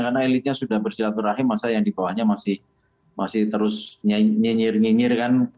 karena elitnya sudah bersilaturahim masa yang di bawahnya masih terus nyinyir nyinyir kan